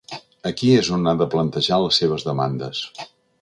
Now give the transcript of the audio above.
Aquí és on ha de plantejar les seves demandes.